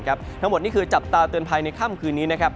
ทั้งหมดนี่คือจับตาเตือนภัยในค่ำคืนนี้นะครับ